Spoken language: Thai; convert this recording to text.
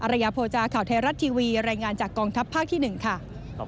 ระยะโภจาข่าวไทยรัฐทีวีรายงานจากกองทัพภาคที่๑ค่ะ